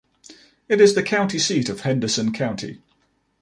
It is the county seat of Henderson County.